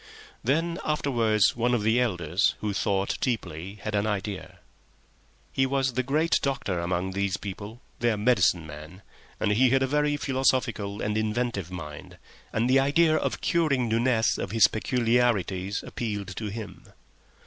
Then afterwards one of the elders, who thought deeply, had an idea. He was a great doctor among these people, their medicine man, and he had a very philosophical and inventive mind, and the idea of curing Nunez of his peculiarities appealed to him.